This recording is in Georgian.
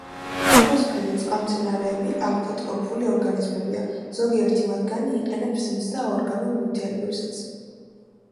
ოქროსფერი წყალმცენარეები ავტოტროფული ორგანიზმებია, ზოგიერთი მათგანი იყენებს მზა ორგანულ ნივთიერებებსაც.